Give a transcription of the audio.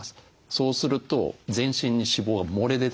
そうすると全身に脂肪が漏れ出てきます。